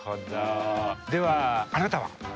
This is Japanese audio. ではあなたは？